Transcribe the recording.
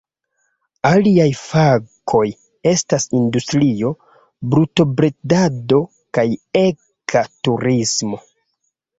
Aliaj fakoj estas industrio, brutobredado kaj eka turismo.